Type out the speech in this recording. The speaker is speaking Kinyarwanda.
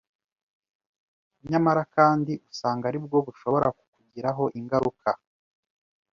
Nyamara kandi usanga aribwo bushobora kukugiraho ingaruka